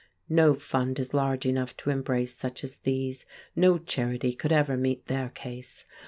No Fund is large enough to embrace such as these; no charity could ever meet their case.